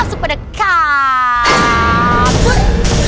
langsung pada kabur